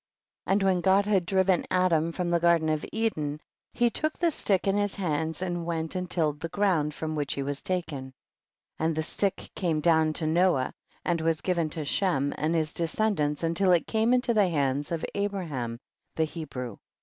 43. And when God had driven Adam from the garden of Eden, he took the slick in his hand and went and tilled the ground from which he was taken, 44. And the slick came down to Noah and was given to Shem and his descendants, until it came into the hand of Abraham the Hebrew.